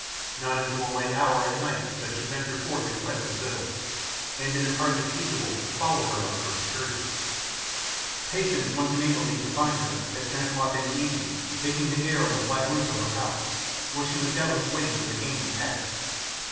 Not until a late hour at night does she venture forth in quest of victuals; and it is hardly feasible to follow her on her excursions. Patience once enabled me to find her, at ten o'clock in the evening, taking the air on the flat roof of her house, where she was doubtless waiting for the game to pass.